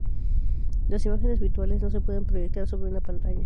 Las imágenes virtuales no se pueden proyectar sobre una pantalla.